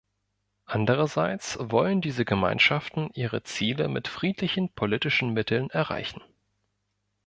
Andererseits wollen diese Gemeinschaften ihre Ziele mit friedlichen politischen Mitteln erreichen.